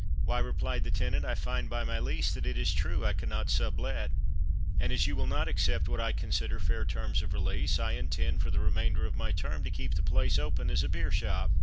"Why," replied the tenant, "I find by my lease that it is true I cannot sub let, and as you will not accept what I consider fair terms of release, I intend, for the remainder of my term, to keep the place open as a beer shop.